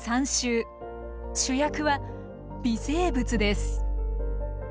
主役は微生物です。